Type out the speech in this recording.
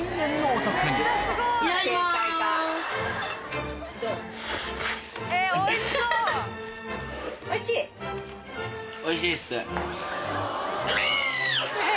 おいちい？